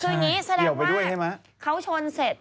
ใช่เกี่ยวไปด้วยใช่ไหมคืออย่างนี้แสดงว่าเขาชนเสร็จ